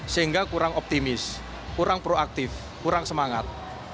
sehingga kurang optimis kurang proaktif kurang semangat